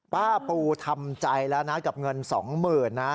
ป้าปูทำใจแล้วนะกับเงิน๒๐๐๐นะ